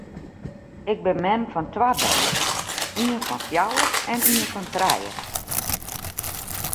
Ik bin mem fan twa bern, ien fan fjouwer en ien fan trije.